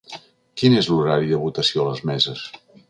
Quin és l’horari de votació a les meses?